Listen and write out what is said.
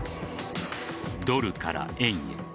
ドルから円へ。